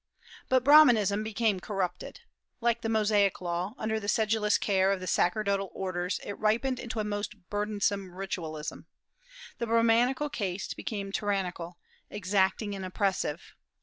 But Brahmanism became corrupted. Like the Mosaic Law, under the sedulous care of the sacerdotal orders it ripened into a most burdensome ritualism. The Brahmanical caste became tyrannical, exacting, and oppressive.